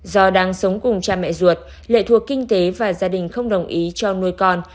do đang sống cùng cha mẹ ruột lệ thuộc kinh tế và gia đình không đồng ý cho nuôi con